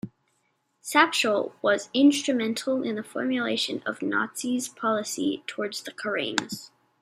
Shapshal was instrumental in the formulation of Nazis policy towards the Karaims.